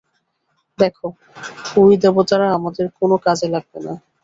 দেখো, ওই দেবতারা আমাদের কোনো কাজে লাগবে না।